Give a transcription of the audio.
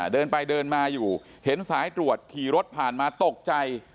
เดินไปเดินมาอยู่เห็นสายตรวจขี่รถผ่านมาตกใจ